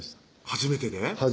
初めてで？